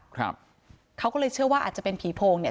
ครับเขาก็เลยเชื่อว่าอาจจะเป็นผีโพงเนี่ย